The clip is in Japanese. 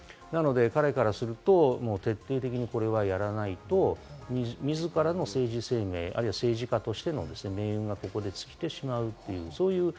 なので彼からすると、徹底的に、これはやらないと、自らの政治生命、あるいは政治家としての命運が、ここでつけてしまう。